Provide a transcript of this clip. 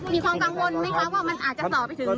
มีความกังวลไหมคะว่ามันอาจจะต่อไปถึง